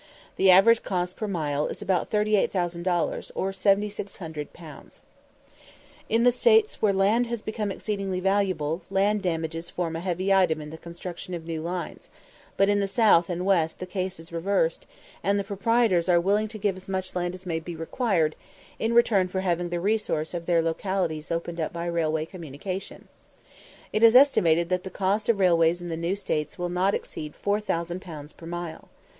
The average cost per mile is about 38,000 dollars, or 7600_l._ In States where land has become exceedingly valuable, land damages form a heavy item in the construction of new lines, but in the South and West the case is reversed, and the proprietors are willing to give as much land as may be required, in return for having the resources of their localities opened up by railway communication. It is estimated that the cost of railways in the new States will not exceed 4000_l._ per mile.